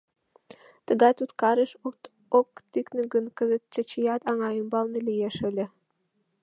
Тыгай туткарыш ок тӱкнӧ гын, кызыт Чачият аҥа ӱмбалне лиеш ыле...